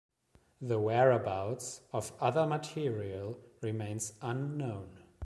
The whereabouts of other material remains unknown.